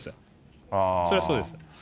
それはそうです。